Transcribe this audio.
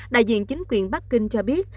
đại diện chính quyền bắc kinh cho biết